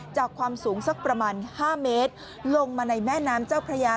ความสูงสักประมาณ๕เมตรลงมาในแม่น้ำเจ้าพระยา